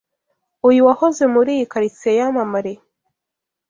uyu wahoze muri iyi karitsiye yamamare,